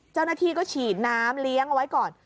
เจ้าหน้าที่ก็ฉีดน้ำเลี้ยงเอาไว้ก่อน